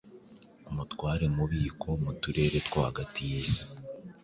Umutware mubiko mu turere two hagati yisi